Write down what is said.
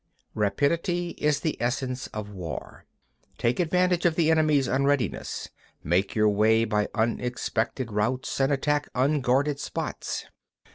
19. Rapidity is the essence of war: take advantage of the enemy's unreadiness, make your way by unexpected routes, and attack unguarded spots.